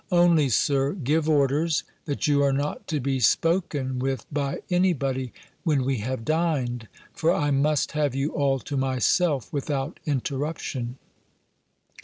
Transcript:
Only, Sir, give orders, that you are not to be spoken with by any body, when we have dined; for I must have you all to myself, without interruption."